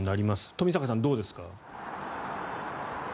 冨坂さん、どうですか。